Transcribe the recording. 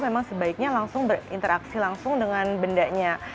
memang sebaiknya langsung berinteraksi langsung dengan bendanya